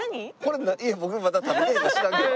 僕まだ食べてへんから知らんけど。